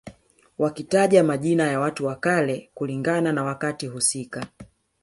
Wakitaja majina ya watu wa kale kulingana na wakati husika